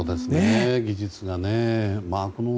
技術がね。